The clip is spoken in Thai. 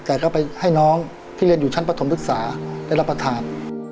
แต่ก็ไปให้น้องที่เรียนอยู่ชั้นประถมศึกษาได้รับประทาน